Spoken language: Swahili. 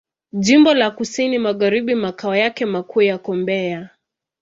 Jimbo la Kusini Magharibi Makao yake makuu yako Mbeya.